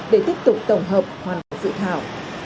để tiếp tục tổng hợp hoàn hảo dự thảo